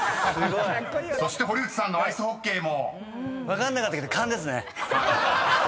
［そして堀内さんの「アイスホッケー」も］